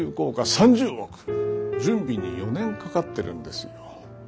３０億準備に４年かかってるんですよ。